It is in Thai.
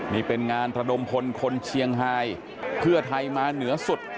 นี่เป็นงานระดมพลคนเชียงไฮเพื่อไทยมาเหนือสุด